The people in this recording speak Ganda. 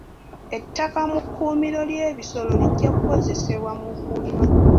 Ettaka mu kkuumiro ly'ebisolo lijja kukozesebwa mu kulima.